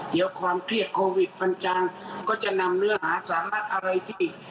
เดี๋ยวความเครียดโควิดมันจางก็จะนำเนื้อหาสาระอะไรที่